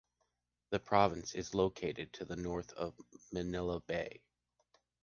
The province is located to the North of Manila Bay.